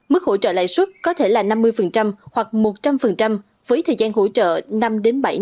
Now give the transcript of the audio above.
mức hỗ trợ lãi suất có thể là năm mươi hoặc một trăm linh với thời gian hỗ trợ năm bảy năm